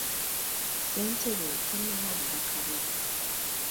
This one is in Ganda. Ssentebe tannawa bubaka bwe.